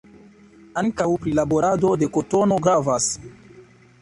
Ankaŭ prilaborado de kotono gravas.